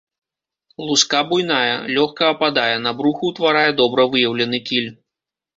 Луска буйная, лёгка ападае, на бруху ўтварае добра выяўлены кіль.